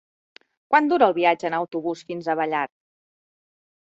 Quant dura el viatge en autobús fins a Vallat?